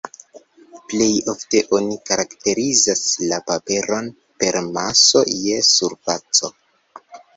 Plej ofte oni karakterizas la paperon per maso je surfaco.